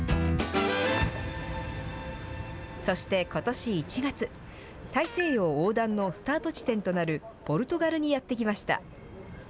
そしてことし１月、大西洋横断のスタート地点となるポルトガルにやって来ました。